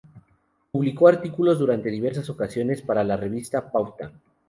Publicó artículos durante diversas ocasiones para la revista "Pauta".